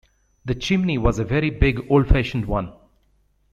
The chimney was a very big old-fashioned one.